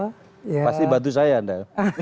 pasti bantu saya anda